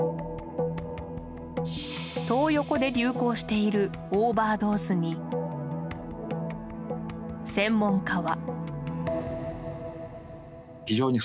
トー横で流行しているオーバードーズに専門家は。